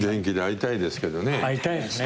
会いたいです。